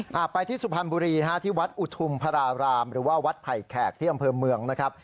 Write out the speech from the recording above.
ไปที่สุพรรณบุรีนะฮะที่วัดอุทุมพระรารามหรือว่าวัดไผ่แขกที่อำเภอเมืองนะครับ